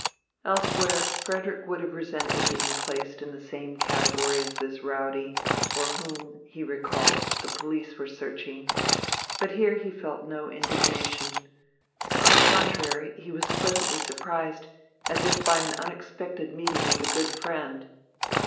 Elsewhere, Frederick would have resented being placed in the same category as this rowdy, for whom, he recalled, the police were searching. But here he felt no indignation. On the contrary, he was pleasantly surprised, as if by an unexpected meeting with a good friend.